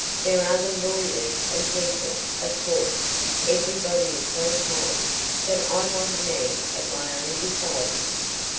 There are the lawyers and people, of course everybody is so kind but I want a man of my own beside me."